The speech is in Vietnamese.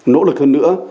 nỗ lực hơn nữa